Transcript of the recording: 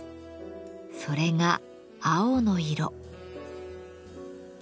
それが青の色。